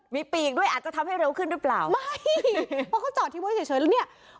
มีปีกด้วยอาจจะทำให้เร็วขึ้นหรือเปล่าไม่เพราะเขาจอดทิ้งไว้เฉยแล้วเนี่ย